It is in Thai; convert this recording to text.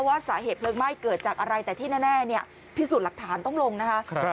ว่าสาเหตุเพลิงไหม้เกิดจากอะไรแต่ที่แน่เนี่ยพิสูจน์หลักฐานต้องลงนะคะ